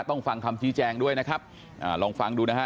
ต้องฟังคำชี้แจงด้วยนะครับอ่าลองฟังดูนะฮะ